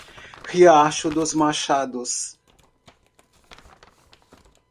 Riacho dos Machados